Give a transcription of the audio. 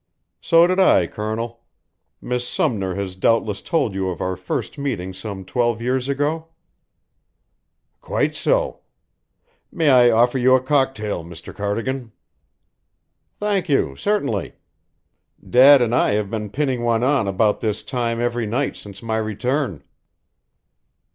"So did I, Colonel. Miss Sumner has doubtless told you of our first meeting some twelve years ago?" "Quite so. May I offer you a cocktail, Mr. Cardigan?" "Thank you, certainly. Dad and I have been pinning one on about this time every night since my return."